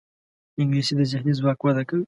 انګلیسي د ذهني ځواک وده کوي